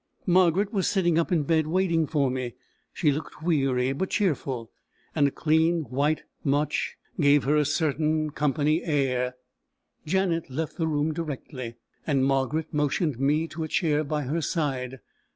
Margaret was sitting up in bed, waiting for me. She looked weary, but cheerful; and a clean white mutch gave her a certain company air. Janet left the room directly, and Margaret motioned me to a chair by her side.